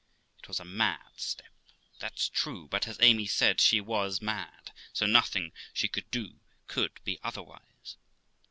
It was a mad step, that's true; but, as Amy said, she was mad, so nothing she could do could be otherwise.